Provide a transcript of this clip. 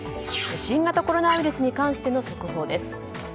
新型コロナウイルスに関しての速報です。